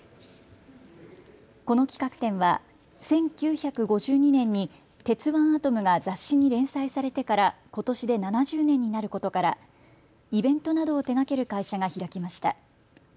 この企画展は１９５２年に鉄腕アトムが雑誌に連載されてからことしで７０年になることからイベントなどを手がける会社が開きました。